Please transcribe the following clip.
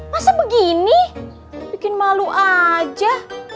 masa begini bikin malu aja